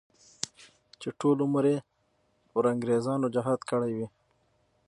چې ټول عمر یې پر انګریزانو جهاد کړی وي.